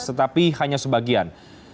tetapi hanya sebagian